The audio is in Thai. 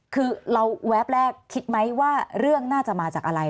คือเราแวบแรกคิดไหมว่าเรื่องน่าจะมาจากอะไร